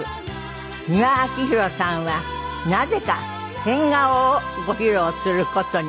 美輪明宏さんはなぜか変顔をご披露する事に。